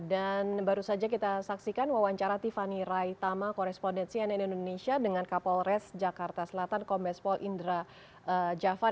dan baru saja kita saksikan wawancara tiffany raitama korespondensi ann indonesia dengan kapolres jakarta selatan kompespol indra jafar